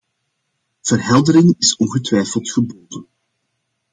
Verheldering is ongetwijfeld geboden.